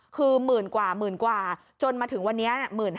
คือหมื่นกว่าหมื่นกว่าจนมาถึงวันนี้๑๕๐๐